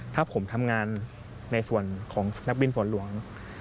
ถ้าผมทำงานในส่วนของนักบินฝนหลวง